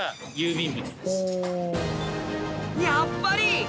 やっぱり！